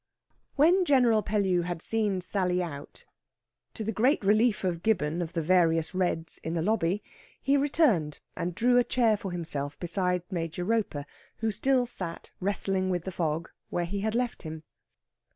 When General Pellew had seen Sally out, to the great relief of Gibbon of the various reds in the lobby, he returned and drew a chair for himself beside Major Roper, who still sat, wrestling with the fog, where he had left him.